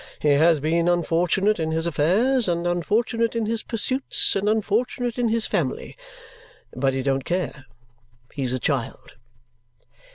He has been unfortunate in his affairs, and unfortunate in his pursuits, and unfortunate in his family; but he don't care he's a child!"